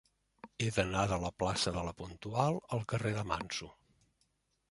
He d'anar de la plaça de La Puntual al carrer de Manso.